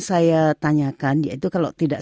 saya tanyakan yaitu kalau tidak